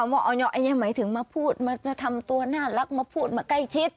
อันไงฐานหมายถึงมาพูดมาทำตัวน่ารักแล้วมาพูดใหม่ใกล้ชิด